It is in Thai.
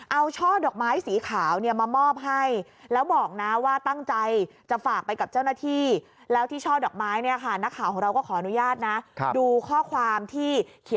เอาช่อดอกไม้สีขาวเนี่ยมามอบให้